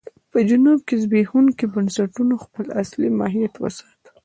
په جنوب کې زبېښونکو بنسټونو خپل اصلي ماهیت وساته.